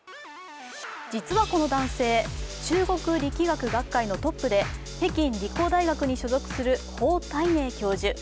実はこの男性、中国力学学会のトップで北京理工大学に所属する方岱寧教授。